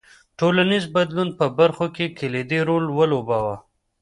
ټولنیز بدلون په برخو کې کلیدي رول ولوباوه.